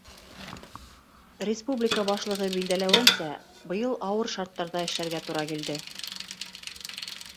Республика башлығы билдәләүенсә, быйыл ауыр шарттарҙа эшләргә тура килде.